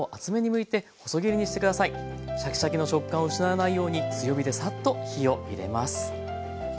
シャキシャキの食感を失わないように強火でサッと火を入れます。